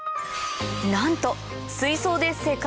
なんと水槽ではい。